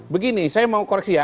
begini saya mau koreksi ya